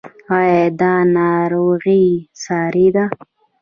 ایا دا ناروغي ساري ده؟